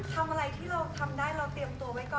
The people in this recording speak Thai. ทำอะไรที่เราทำได้เราเตรียมตัวไว้ก่อน